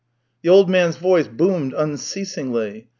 The old man's voice boomed unceasingly.